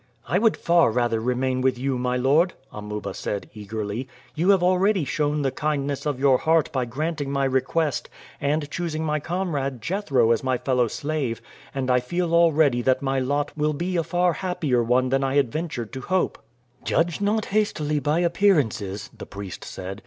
"I would far rather remain with you, my lord," Amuba said eagerly. "You have already shown the kindness of your heart by granting my request, and choosing my comrade Jethro as my fellow slave, and I feel already that my lot will be a far happier one than I had ventured to hope." "Judge not hastily by appearances," the priest said.